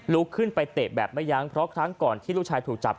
ลุกขึ้นไปเตะแบบไม่ยั้งเพราะครั้งก่อนที่ลูกชายถูกจับ